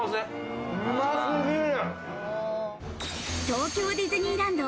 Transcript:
東京ディズニーランド